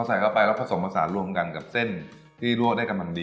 ใส่เข้าไปแล้วผสมผสานรวมกันกับเส้นที่ลวกได้กำลังดี